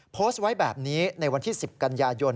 โพสต์ไว้แบบนี้ในวันที่๑๐กันยายน